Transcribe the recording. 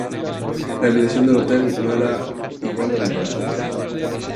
La habitación del hotel no era igual a la de la foto